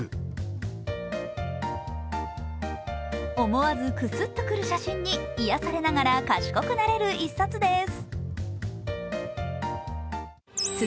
思わず、クスッとくる写真に、癒やされながら賢くなれる１冊です。